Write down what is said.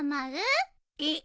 えっ！？